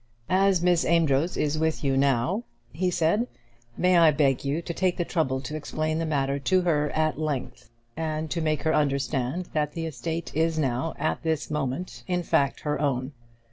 "As Miss Amedroz is with you now," he said, "may I beg you to take the trouble to explain the matter to her at length, and to make her understand that the estate is now, at this moment, in fact her own.